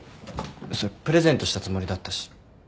それプレゼントしたつもりだったし。